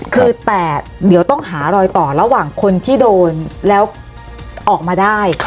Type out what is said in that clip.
คือแต่เดี๋ยวต้องหารอยต่อระหว่างคนที่โดนแล้วออกมาได้